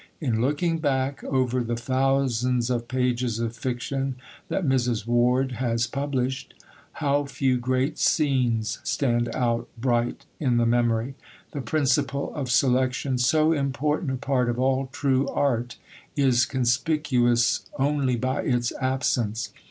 In looking back over the thousands of pages of fiction that Mrs. Ward has published, how few great scenes stand out bright in the memory! The principle of selection so important a part of all true art is conspicuous only by its absence.